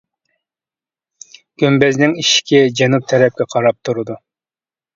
گۈمبەزنىڭ ئىشىكى جەنۇب تەرەپكە قاراپ تۇرىدۇ.